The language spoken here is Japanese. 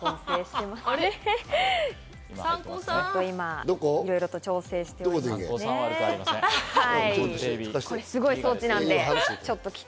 今いろいろと調整しております。